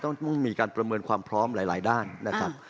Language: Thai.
ต้องมีการประเมินความพร้อมหลายด้านนะครับ